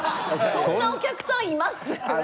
そんなお客さんいます？